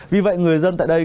vì vậy người dân tại đây